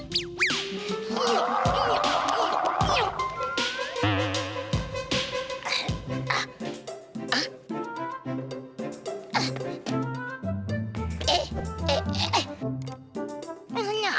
nih nyangkut nih